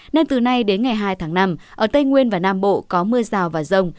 nên từ nay đến ngày hai tháng năm ở tây nguyên và nam bộ có mưa rào và rông